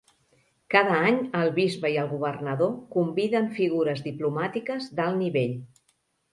Cada any, el bisbe i el governador conviden figures diplomàtiques d'alt nivell.